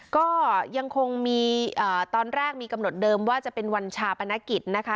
ก็ยังคงมีตอนแรกมีกำหนดเดิมว่าจะเป็นวันชาปนกิจนะคะ